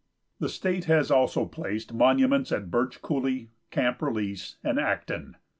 The state has also placed monuments at Birch Coulie, Camp Release and Acton.